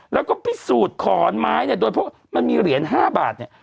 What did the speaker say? แล้วก็พิสูจน์ขอนไม้เนี่ยโดยพวกมันมีเหรียญ๕บาทเนี่ย